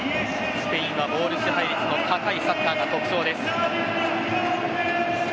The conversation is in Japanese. スペインはボール支配率の高いサッカーが特徴です。